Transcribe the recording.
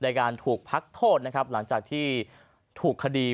ในการถูกพักโทษนะครับหลังจากที่ถูกคดี